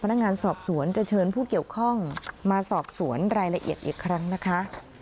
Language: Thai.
พนักงานสอบสวนจะเชิญผู้เกี่ยวข้องมาสอบสวนรายละเอียดอีกครั้งนะคะ